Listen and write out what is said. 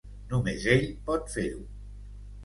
Només ell pot fer-ho.